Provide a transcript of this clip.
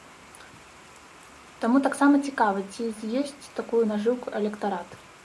Таму таксама цікава, ці з'есць такую нажыўку электарат?